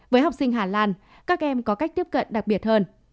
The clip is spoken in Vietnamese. với học sinh hà lan các em có cách tiếp cận đặc biệt hơn